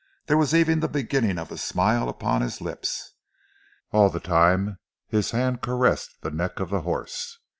There was even the beginning of a smile upon his lips. All the time his hand caressed the neck of the horse.